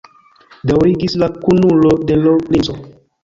daŭrigis la kunulo de l' princo.